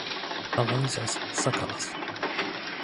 Aloyzas Sakalas